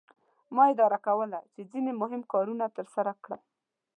ما اداره کوله چې ځینې مهم کارونه ترسره کړم.